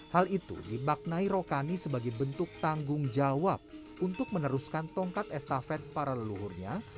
hal itu dibaknai rokani sebagai bentuk tanggung jawab untuk meneruskan tongkat estafet para leluhurnya